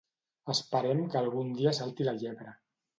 Esperem que algun dia salti la llebre.